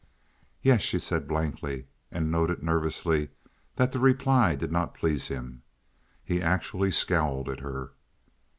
"Yes," she said blankly, and noted nervously that the reply did not please him. He actually scowled at her.